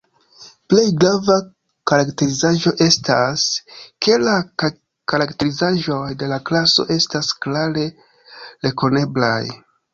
Plej grava karakterizaĵo estas, ke la karakterizaĵoj de la klaso estas klare rekoneblaj.